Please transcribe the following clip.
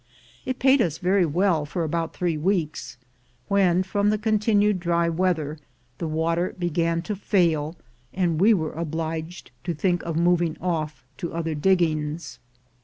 It paid us very well for about three weeks, when, from the continued dry weather, the water began to fail, and we were obliged to think of moving off to other diggings.